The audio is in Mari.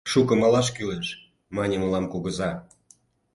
Шуко малаш кӱлеш, — мане мылам кугыза.